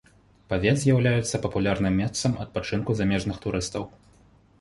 Павет з'яўляецца папулярным месцам адпачынку замежных турыстаў.